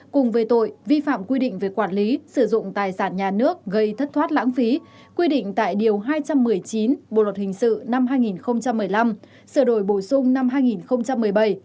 cùng về tội vi phạm quy định về quản lý sử dụng tài sản nhà nước gây thất thoát lãng phí quy định tại điều hai trăm một mươi chín bộ luật hình sự năm hai nghìn một mươi năm sửa đổi bổ sung năm hai nghìn một mươi bảy